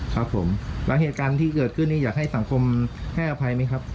ครับผมแล้วเหตุการณ์ที่เกิดขึ้นนี้อยากให้สังคมให้อภัยไหมครับ